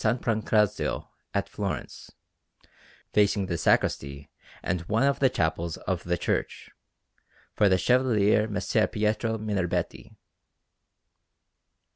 Pancrazio at Florence, facing the sacristy and one of the chapels of the church, for the Chevalier Messer Pietro Minerbetti.